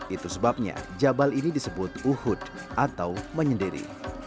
itu sebabnya jabal ini disebut uhud atau menyendiri